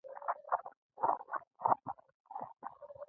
قناعت کول شتمني ده